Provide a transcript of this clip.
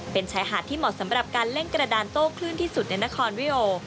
เป็นชายหาดที่เหมาะสำหรับการเล่นกระดานโต้คลื่นที่สุดในนครวิโอ